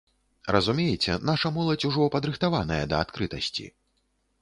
Разумееце, наша моладзь ужо падрыхтаваная да адкрытасці.